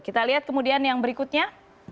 kita lihat kemudian yang berikutnya